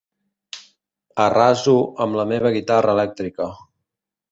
Arraso amb la meva guitarra elèctrica.